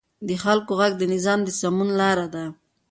د خلکو غږ د نظام د سمون لار ده